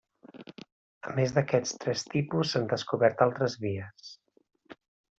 A més d’aquest tres tipus s’han descobert altres vies.